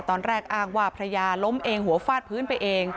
ตอนแรกอ้างว่าพระยาล้มเองหัวฟาดพื้นไปเอง